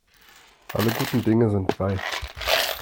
Alle guten Dinge sind drei.